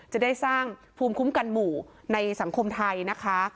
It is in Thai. จะได้สร้างภูมิคุ้มกันหมู่ในสังคมไทยนะคะ